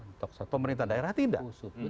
untuk pemerintah daerah tidak